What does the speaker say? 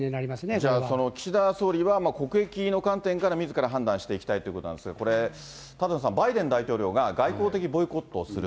じゃあ、岸田総理は国益の観点からみずから判断していきたいということなんですが、これ、舘野さん、バイデン大統領が外交的ボイコットをする。